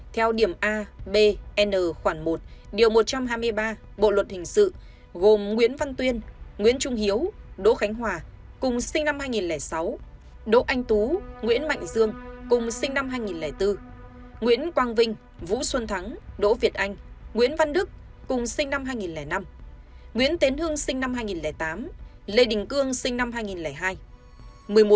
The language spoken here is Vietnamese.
theo điểm a b n khoảng một điều một trăm hai mươi ba bộ luật hình sự gồm nguyễn văn tuyên nguyễn trung hiếu đỗ khánh hòa cùng sinh năm hai nghìn sáu đỗ anh tú nguyễn mạnh dương cùng sinh năm hai nghìn bốn nguyễn quang vinh vũ xuân thắng đỗ việt anh nguyễn văn đức cùng sinh năm hai nghìn năm nguyễn tến hương sinh năm hai nghìn tám lê đình cương sinh năm hai nghìn hai